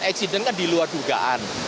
eksiden kan diluar dugaan